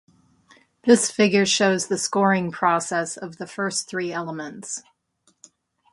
This figure shows the scoring process of the first three elements.